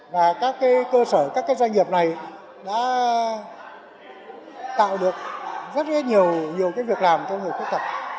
và các cơ sở các doanh nghiệp này đã tạo được rất nhiều việc làm cho người khuyết tật